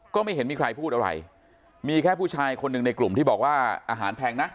ก็ไม่เห็นมีใครพูดอะไรมีแค่ผู้ชายคนหนึ่งในกลุ่มที่บอกว่าอาหารแพงนะ